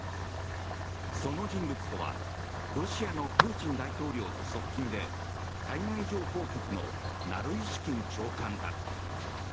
その人物とはロシアのプーチン大統領の側近で対外情報局のナルイシキン長官だ。